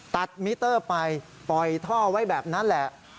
มิเตอร์ไปปล่อยท่อไว้แบบนั้นแหละ